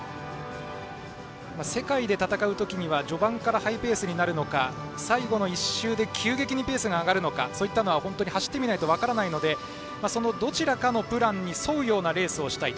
世界で戦う時には序盤からハイペースになるのか最後の１周で急激にペースを上げるのかそういったことは走ってみないと分からないのでそのどちらかのプランに沿うようなレースをしたい。